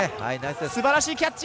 すばらしいキャッチ！